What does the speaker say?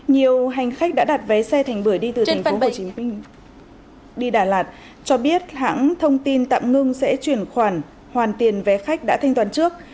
nhiều hành khách đã đặt vé xe thành bưởi đi từ tp hcm đi đà lạt cho biết hãng thông tin tạm ngưng sẽ chuyển khoản hoàn tiền vé khách đã thanh toán trước